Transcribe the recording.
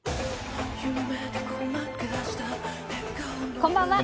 こんばんは。